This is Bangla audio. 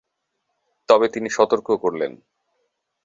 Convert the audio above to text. তবে তিনি সতর্ক করলেন।